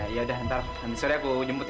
yaudah nanti sore aku jemput ya